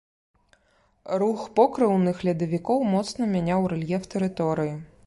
Рух покрыўных ледавікоў моцна мяняў рэльеф тэрыторыі.